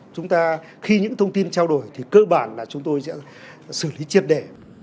chúng ta khi những thông tin trao đổi thì cơ bản là chúng tôi sẽ xử lý chiếc đẻ